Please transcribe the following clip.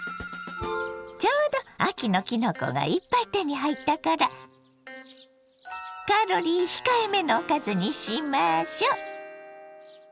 ちょうど秋のきのこがいっぱい手に入ったからカロリー控えめのおかずにしましょ。